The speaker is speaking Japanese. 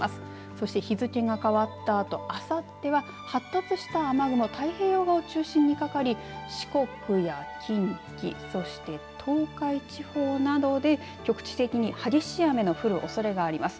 そして日付が変わったあとあさっては発達した雨雲太平洋側を中心にかかり四国や近畿そして東海地方などで局地的に激しい雨の降るおそれがあります。